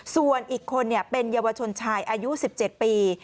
ส่วนอีกคนเป็นเยาวชนชายอายุ๑๗ปี